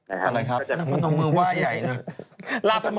อะไรครับมีมือว่ายใหญ่หรือ